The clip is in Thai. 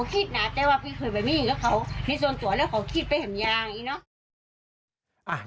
ในส่วนตัวแล้วเขาคิดไปเห็มยางอีกนะ